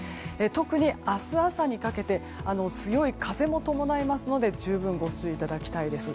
特に、明日朝にかけて強い風も伴いますので十分ご注意いただきたいです。